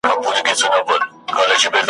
نو پر تا به د قصاب ولي بری وای ,